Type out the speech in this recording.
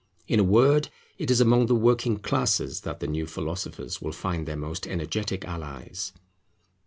In a word it is among the Working Classes that the new philosophers will find their most energetic allies.